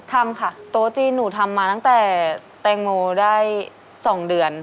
ทำค่ะโต๊ะจีนหนูทำมาตั้งแต่แตงโมได้๒เดือน